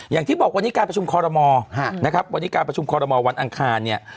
อย่างที่บอกวันนี้การประชุมคอรมอนะครับวันนี้การประชุมคอรมอลวันอังคารเนี่ย